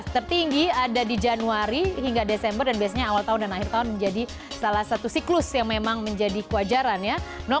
tertinggi ada di januari hingga desember dan biasanya awal tahun dan akhir tahun menjadi salah satu siklus yang memang menjadi kewajaran ya